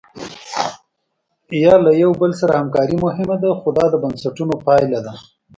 یا له یو بل سره همکاري مهمه ده خو دا د بنسټونو پایله ده.